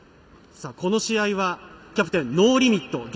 この試合は、キャプテンノーリミット。